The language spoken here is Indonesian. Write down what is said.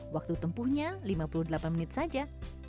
waktu tempuhnya lima puluh delapan menit saja